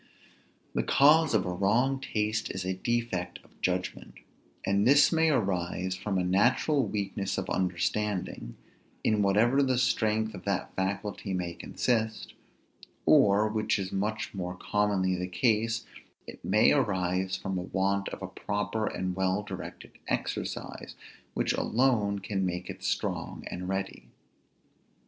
The cause of a wrong taste is a defect of judgment. And this may arise from a natural weakness of understanding (in whatever the strength of that faculty may consist), or, which is much more commonly the case, it may arise from a want of a proper and well directed exercise, which alone can make it strong and ready.